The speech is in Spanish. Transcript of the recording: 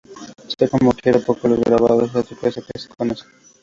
Sea como quiera, son pocos los grabados de turquesa que se conocen.